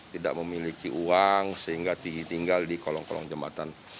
tidak memiliki uang sehingga tinggal di kolong kolong jembatan